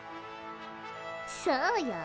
そうよ。